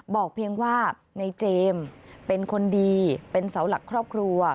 เพียงว่าในเจมส์เป็นคนดีเป็นเสาหลักครอบครัว